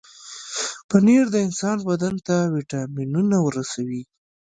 پنېر د انسان بدن ته وټامنونه رسوي.